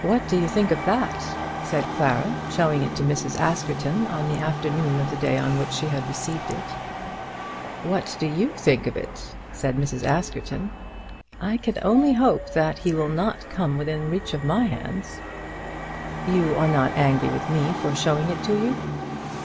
"What do you think of that?" said Clara, showing it to Mrs. Askerton on the afternoon of the day on which she had received it. "What do you think of it?" said Mrs. Askerton. "I can only hope, that he will not come within the reach of my hands." "You are not angry with me for showing it to you?"